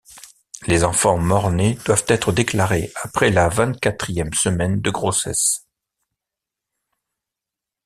Les enfants morts-nés doivent être déclarés après la vingt-quatrième semaine de grossesse.